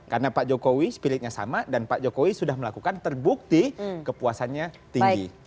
karena pak jokowi spiritnya sama dan pak jokowi sudah melakukan terbukti kepuasannya tinggi